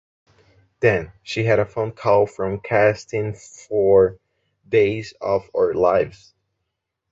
Then she had a phone call from casting for "Days Of Our Lives".